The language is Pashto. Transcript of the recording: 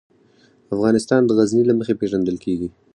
افغانستان د غزني له مخې پېژندل کېږي.